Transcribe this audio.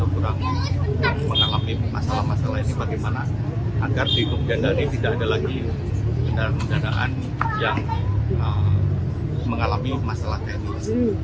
kurang mengalami masalah masalah ini bagaimana agar di kemudian hari tidak ada lagi kendaraan kendaraan yang mengalami masalah teknis